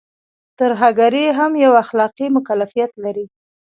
ترهګري هم يو اخلاقي مکلفيت لري.